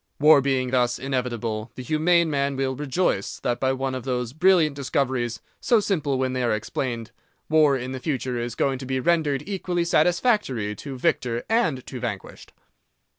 War being thus inevitable, the humane man will rejoice that by one of those brilliant discoveries, so simple when they are explained, war in the future is going to be rendered equally satisfactory to victor and to vanquished.